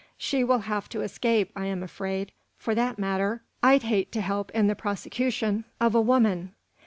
"She will have to escape, I am afraid. For that matter, I'd hate to help in the prosecution of a woman."